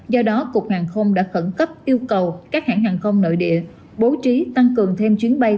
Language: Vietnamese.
do đó cục hàng không đã khẩn cấp yêu cầu các hãng hàng không nội địa bố trí tăng cường thêm chuyến bay